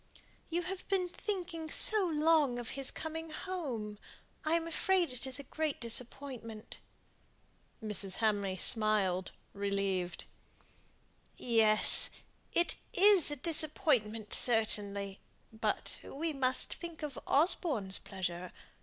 "You have been thinking so long of his coming home. I am afraid it is a great disappointment." Mrs. Hamley smiled relieved. "Yes! it is a disappointment certainly, but we must think of Osborne's pleasure.